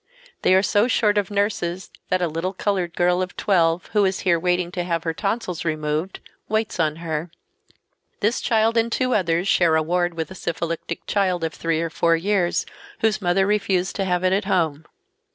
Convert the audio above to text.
They are so short of nurses that a little colored girl of twelve, who is here waiting to have her tonsils removed, waits on her. This child and two others share a ward with a syphilitic child of three or four years, whose mother refused to have it at home.